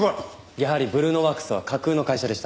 やはりブルーノワークスは架空の会社でした。